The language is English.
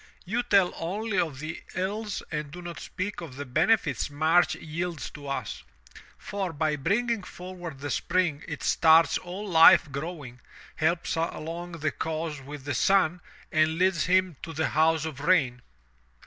"You tell only of the ills and do not speak of the benefits March yields to us, for by bringing forward the Spring it starts all life growing, helps along the cause with the sun, and leads him to the house of rain."